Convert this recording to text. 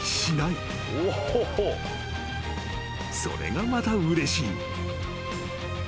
［それがまたうれしい］